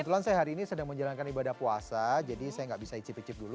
kebetulan saya hari ini sedang menjalankan ibadah puasa jadi saya nggak bisa icip icip dulu